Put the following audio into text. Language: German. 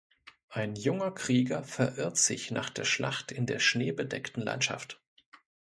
Ein junger Krieger verirrt sich nach der Schlacht in der schneebedeckten Landschaft.